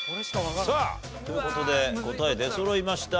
さあという事で答え出そろいました。